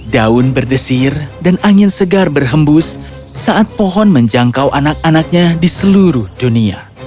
daun berdesir dan angin segar berhembus saat pohon menjangkau anak anaknya di seluruh dunia